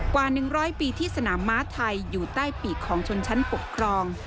กว่า๑๐๐ปีที่สนามม้าไทยอยู่ใต้ปีกของชนชั้นปกครอง